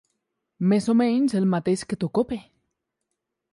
Més o menys el mateix que to cope.